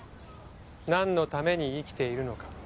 なんのために生きているのか？